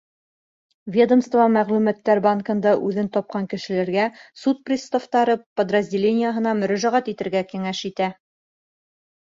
Ведомство мәғлүмәттәр банкында үҙен тапҡан кешеләргә суд приставтары подразделениеһына мөрәжәғәт итергә кәңәш итә.